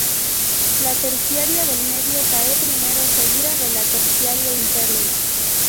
La terciaria del medio cae primero, seguida de la terciaria interna.